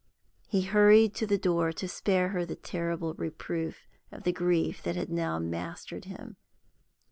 He hurried to the door to spare her the terrible reproof of the grief that had now mastered him.